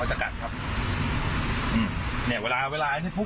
ว่าอ่าปลากัดหางต่อยอ่าถ้าเขาตกใจเนี่ย